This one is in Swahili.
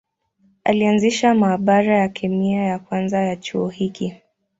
Alianzisha maabara ya kemia ya kwanza ya chuo hiki.